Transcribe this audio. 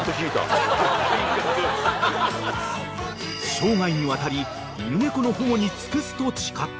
［生涯にわたり犬猫の保護に尽くすと誓った］